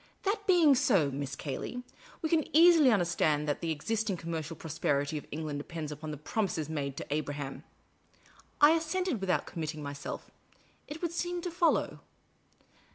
" That being so, Miss Cayley, we can easily understand that the existing commercial prosperity of England depends upon the promises made to Abraham." 1 assented, without committing myself: " It would seem to follow."